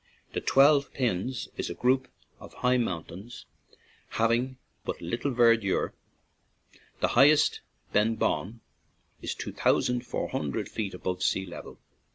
The Twelve Pins is a group of high mountains having but little ver dure; the highest, Benbaun, is two thou sand four hundred feet above sea level.